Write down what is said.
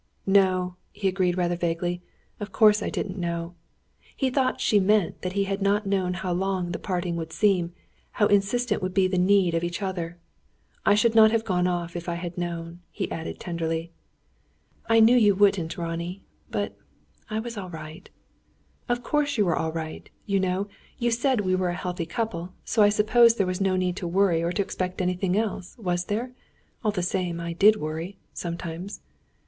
"No," he agreed rather vaguely, "of course I didn't know." He thought she meant that he had not known how long the parting would seem, how insistent would be the need of each other. "I should not have gone, if I had known," he added, tenderly. "I knew you wouldn't, Ronnie. But I was all right." "Of course you were all right. You know, you said we were a healthy couple, so I suppose there was no need to worry or to expect anything else. Was there? All the same I did worry sometimes."